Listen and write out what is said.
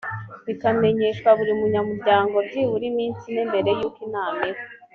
bikamenyeshwa buri munyamuryango byibura iminsi ine mbere y’uko inama iba